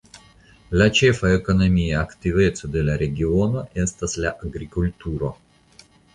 La ĉefa ekonomia aktiveco de la regiono estas la agrikulturo.